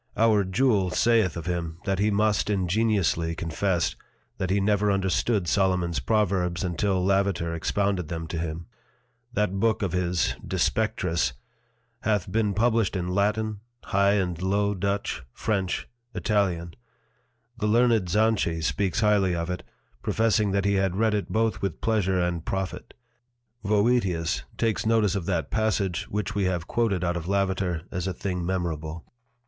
Our Juel saith of him, that he must ingeniously confess, that he never understood Solomon's Proverbs until Lavater expounded them to him: That Book of his De Spectris hath been published in Latin, High and Low Dutch, French, Italian. The learned Zanchy speaks highly of it, professing that he had read it both with Pleasure and Profit. Voetius takes notice of that passage which we have quoted out of Lavater as a thing memorable.